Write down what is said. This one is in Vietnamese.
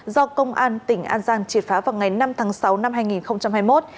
do công an tỉnh an giang triệt phá vào ngày năm tháng sáu năm hai nghìn hai mươi một